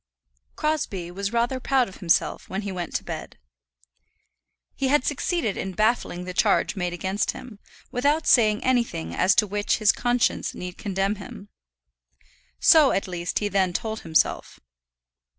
Crosbie was rather proud of himself when he went to bed. He had succeeded in baffling the charge made against him, without saying anything as to which his conscience need condemn him. So, at least, he then told himself.